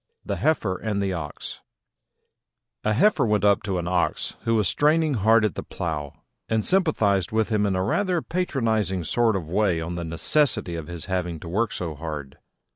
THE HEIFER AND THE OX A Heifer went up to an Ox, who was straining hard at the plough, and sympathised with him in a rather patronising sort of way on the necessity of his having to work so hard.